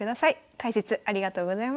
解説ありがとうございました。